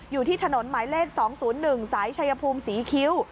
อยู่ที่ถนนหมายเลข๒๐๑สายชายภูมิศรีคิ้ว